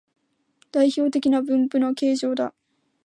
代表的な分布の形状だ